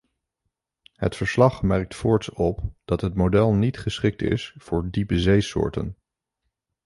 Het verslag merkt voorts op dat het model niet geschikt is voor diepzeesoorten.